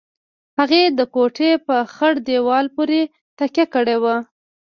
هغې د کوټې په خړ دېوال پورې تکيه کړې وه.